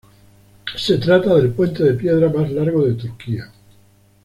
Se trata del puente de piedra más largo de Turquía.